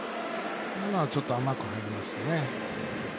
今のはちょっと甘く入りましたね。